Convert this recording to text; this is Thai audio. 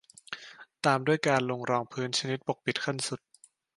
ตามด้วยการลงรองพื้นชนิดปกปิดขั้นสุด